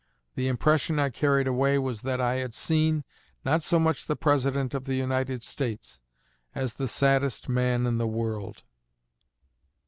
The impression I carried away was that I had seen, not so much the President of the United States, as the saddest man in the world."